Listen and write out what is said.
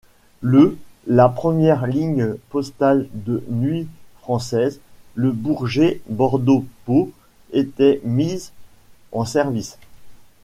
Le la première ligne postale de nuit française, Le Bourget-Bordeaux-Pau, était mise en service.